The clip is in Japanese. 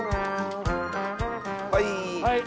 はい。